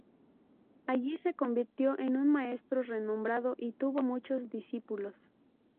Allí se convirtió en un maestro renombrado, y tuvo muchos discípulos.